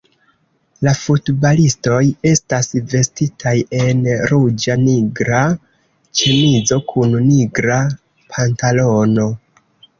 La futbalistoj estas vestitaj en ruĝa-nigra ĉemizo kun nigra pantalono.